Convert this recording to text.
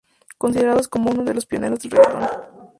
Considerados como unos de los pioneros del reggaeton.